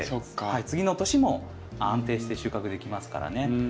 次の年も安定して収穫できますからね。